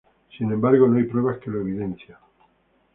Sin embargo, no hay pruebas que lo evidencian.